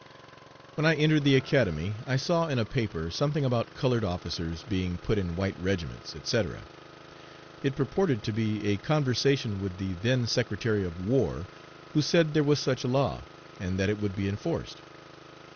.... When I entered the Academy I saw in a paper something about colored officers being put in white regiments, etc. It purported to be a conversation with the then Secretary of War, who said there was such a law, and that it would be enforced.